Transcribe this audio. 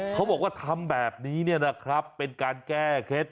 เขาบอกว่าทำแบบนี้เนี่ยนะครับเป็นการแก้เคล็ด